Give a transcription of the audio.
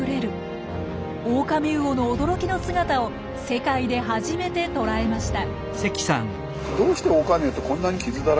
オオカミウオの驚きの姿を世界で初めて捉えました。